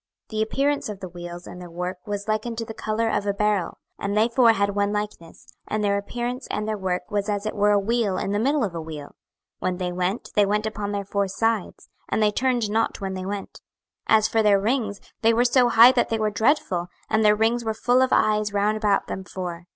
26:001:016 The appearance of the wheels and their work was like unto the colour of a beryl: and they four had one likeness: and their appearance and their work was as it were a wheel in the middle of a wheel. 26:001:017 When they went, they went upon their four sides: and they turned not when they went. 26:001:018 As for their rings, they were so high that they were dreadful; and their rings were full of eyes round about them four.